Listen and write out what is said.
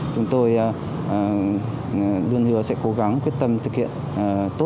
chúng tôi luôn hứa sẽ cố gắng quyết tâm thực hiện tốt nhiệm vụ